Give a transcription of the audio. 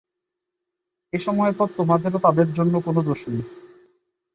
এ সময়ের পর তোমাদের ও তাদের জন্যে কোন দোষ নেই।